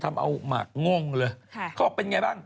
ทำเอาหมากงงเลยเขาบอกเป็นไงบ้าง